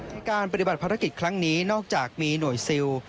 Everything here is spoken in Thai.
ในการปฏิบัติภารกิจครั้งนี้นอกจากมีหน่วยซิล